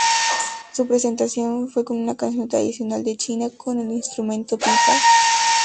Su presentación fue con una canción tradicional de China con el instrumento pipa.